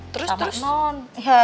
terus terus sama non